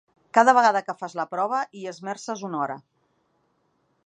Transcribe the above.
Cada vegada que fas la prova hi esmerces una hora.